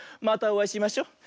またおあいしましょ。